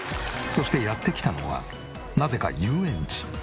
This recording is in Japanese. そしてやって来たのはなぜか遊園地。